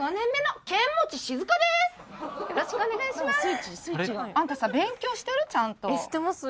よろしくお願いします！